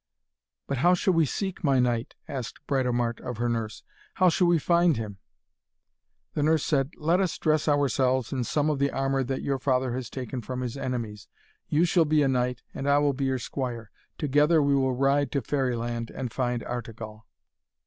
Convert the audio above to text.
'But how shall we seek my knight?' asked Britomart of her nurse. 'How shall we find him?' The nurse said: 'Let us dress ourselves in some of the armour that your father has taken from his enemies. You shall be a knight, and I will be your squire. Together we will ride to Fairyland and find Artegall.'